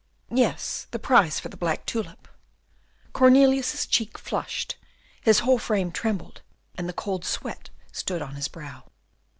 "Yes, the prize for the black tulip." Cornelius's cheek flushed, his whole frame trembled, and the cold sweat stood on his brow.